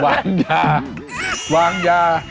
วางยาวางยา